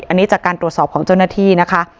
อันนี้จากการตรวจสอบของเจ้าหน้าที่นะคะ